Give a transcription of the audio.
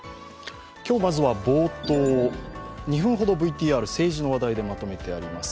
今日、まずは冒頭２分ほど、政治の話題でまとめてあります。